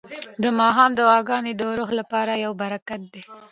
د ماښام دعاګانې د روح لپاره یو برکت دی.